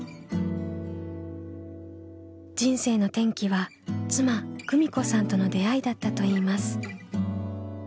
人生の転機は妻久美子さんとの出会いだったといいます。